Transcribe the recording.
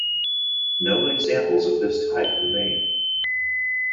No examples of this type remain.